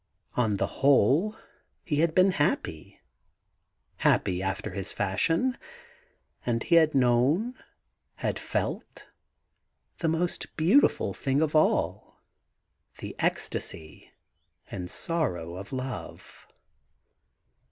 On the whole he had been happy — happy after his fashion : and he had known, had felt, the most beautiful thing of all, 'the ecstasy and sorrow of love.